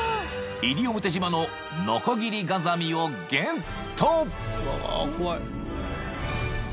西表島のノコギリガザミをゲット！］